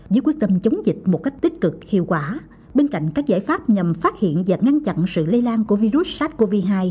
với quyết tâm chống dịch một cách tích cực hiệu quả bên cạnh các giải pháp nhằm phát hiện và ngăn chặn sự lây lan của virus sars cov hai